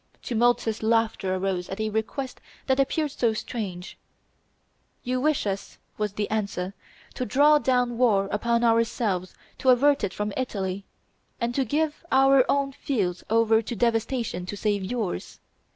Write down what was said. Tumultuous laughter arose at a request that appeared so strange. "You wish us," was the answer, "to draw down war upon ourselves to avert it from Italy, and to give our own fields over to devastation to save yours.